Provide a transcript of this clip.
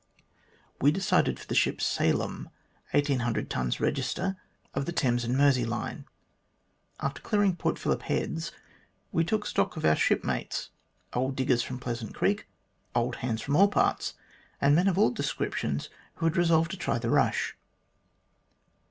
We decided for the ship Salem, 1800 tons register, of the Thames and Mersey line. After clearing Port Phillip Heads we took stock of our shipmates old diggers from Pleasant Creek, old hands from all parts, and men of all descriptions, who had resolved to try the rush.